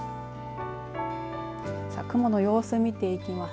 さあ雲の様子、見ていきます。